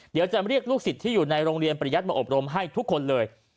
เดี๋ยวจะเรียกลูกศิษย์ที่อยู่ในโรงเรียนปริยัติมาอบรมให้ทุกคนเลย